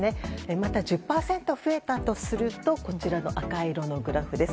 また、１０％増えたとするとこちらの赤色のグラフです。